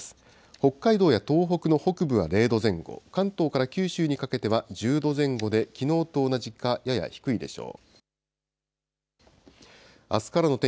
北海道や東北の北部は０度前後、関東から九州にかけては１０度前後で、きのうと同じかやや低いでしょう。